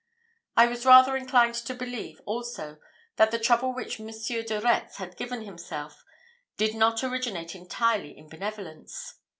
I was rather inclined to believe also, that the trouble which M. de Retz had given himself did not originate entirely in benevolence.